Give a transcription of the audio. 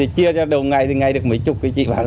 chia cho đầu ngày thì ngày được mấy chục cái gì